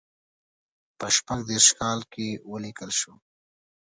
په شپږ دېرش کال کې ولیکل شو.